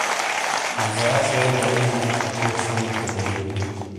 مجا شے دئیینا اکو شونگ تھے بئیی۔